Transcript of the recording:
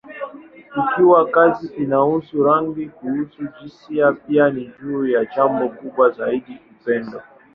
Ikiwa kazi inahusu rangi, kuhusu jinsia, pia ni juu ya jambo kubwa zaidi: upendo.